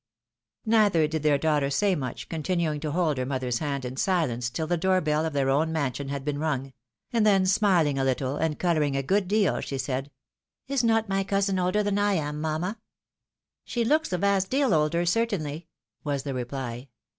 " Neither did their daughter say much, continuing to hold her mother's hand in silence tDl the door beU of their own mansion had been rung ; and then smiling a httle, and colour ing a good deal, she said, " Is not my cousin older than I am, mamma ?"" She looks a vast deal older, certainly," was the reply.